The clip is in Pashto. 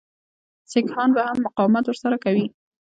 سیکهان به هم مقاومت ورسره کوي.